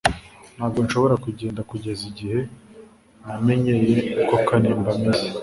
Ntabwo nshobora kugenda kugeza igihe namenyeye uko Kanimba ameze